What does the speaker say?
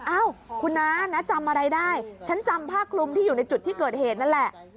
อ้าวคุณน้าน้าจำอะไรได้ฉันจำผ้าคลุมที่อยู่ในจุดที่เกิดเหตุนั่นแหละ